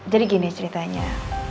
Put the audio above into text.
jadi gini ceritanya